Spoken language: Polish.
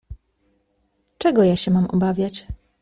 "Czego ja się mam obawiać??"